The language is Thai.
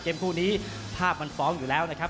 คู่นี้ภาพมันฟ้องอยู่แล้วนะครับ